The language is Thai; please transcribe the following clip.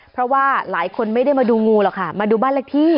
เพราะว่าหลายคนไม่ได้มาดูงูหรอกค่ะมาดูบ้านเลขที่